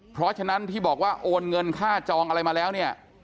เพราะฉะนั้นที่บอกว่าโอนเงินค่าจองอะไรมาแล้วเนี่ย